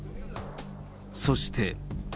そして。